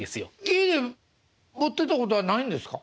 家で持ってたことはないんですか？